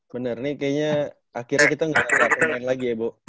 bener nih kayaknya akhirnya kita gak pernah main lagi ya bo